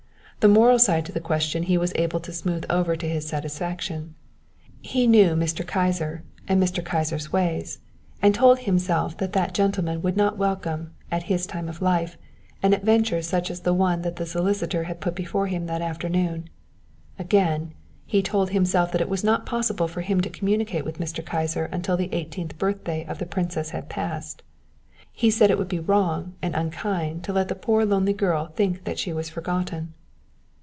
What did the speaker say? The moral side to the question he was able to smooth over to his satisfaction. He knew Mr. Kyser, and Mr. Kyser's ways, and told himself that that gentleman would not welcome, at his time of life, an adventure such as the one that the solicitor had put before him that afternoon. Again, he told himself that it was not possible for him to communicate with Mr. Kyser until the eighteenth birthday of the princess had passed. He said it would be wrong and unkind to let the poor lonely girl think that she was forgotten.